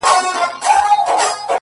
o خدايه سندرو کي مي ژوند ونغاړه ـ